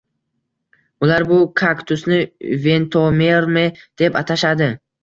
Ular bu kaktusni Ventomerme deb atashadi